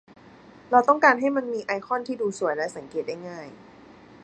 เราต้องการให้มันมีไอคอนที่ดูสวยและสังเกตได้ง่าย